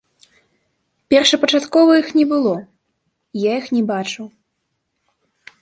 Першапачаткова іх не было, я іх не бачыў.